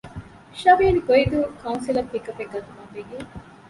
ށ. ގޮއިދޫ ކައުންސިލަށް ޕިކަޕެއް ގަތުމާ ބެހޭ